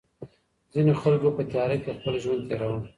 ځينو خلګو په تېاره کي خپل ژوند تېراوه.